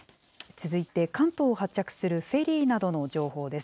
続いて関東を発着するフェリーなどの情報です。